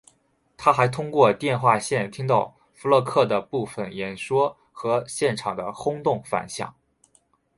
他还通过电话线听到福勒克的部分演说和现场的轰动反响。